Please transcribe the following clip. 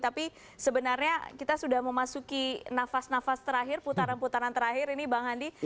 tapi sebenarnya kita sudah memasuki nafas nafas terakhir putaran putaran terakhir ini bang andi